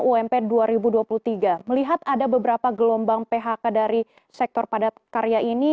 ump dua ribu dua puluh tiga melihat ada beberapa gelombang phk dari sektor padat karya ini